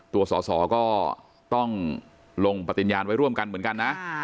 ตัวสอสอก็ต้องลงปฏิญาณไว้ร่วมกันเหมือนกันนะ